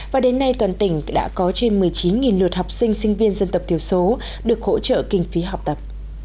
và đến nay toàn tỉnh đã có trên một mươi chín lượt học sinh sinh viên dân tộc thiểu số được hỗ trợ kinh phí học tập